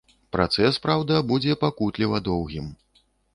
Працэс, праўда, будзе пакутліва доўгім.